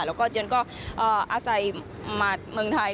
แล้วก็เจียนก็อาศัยมาเมืองไทย